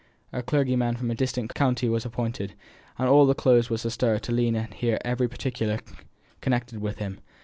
A clergyman from a distant county was appointed, and all the Close was astir to learn and hear every particular connected with him.